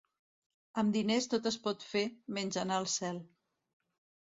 Amb diners tot es pot fer, menys anar al cel.